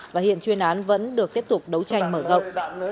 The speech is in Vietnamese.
và hiện chuyên án vẫn được tiếp tục đấu tranh mở rộng